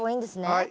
はい。